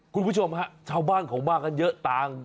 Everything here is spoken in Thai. คุณผู้ชมฮะชาวบ้านเขามากันเยอะต่าง